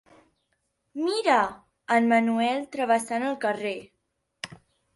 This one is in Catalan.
Mira! En Manuel travessant el carrer.